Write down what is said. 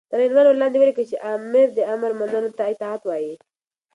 تر عنوان لاندې وليكه چې دآمر امر منلو ته اطاعت وايي